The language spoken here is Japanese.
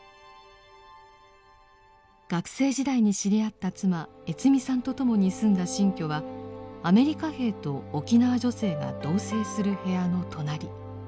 学生時代に知り合った妻悦美さんと共に住んだ新居はアメリカ兵と沖縄女性が同せいする部屋の隣。